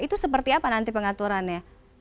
itu seperti apa nanti pengaturannya